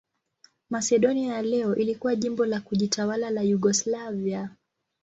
Masedonia ya leo ilikuwa jimbo la kujitawala la Yugoslavia.